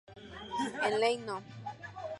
En ley No.